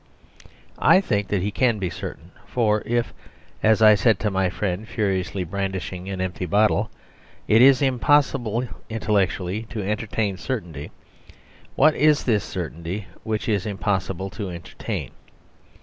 I think he can be certain, for if (as I said to my friend, furiously brandishing an empty bottle) it is impossible intellectually to entertain certainty, what is this certainty which it is impossible to entertain?